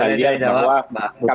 pak haji deni adalah pak hudi